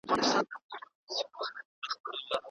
کبابي په خپلو سرو سترګو د کبابو لوګي ته په غوسه کتل.